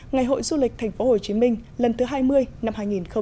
ngày hội du lịch tp hồ chí minh lần thứ hai mươi năm hai nghìn hai mươi bốn